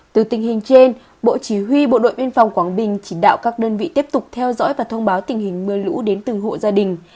từ tình hình trên bộ chỉ huy bộ đội biên phòng quảng bình chỉ đạo các đơn vị tiếp tục theo dõi và thông báo tình hình mưa lũ đến từng hộ gia đình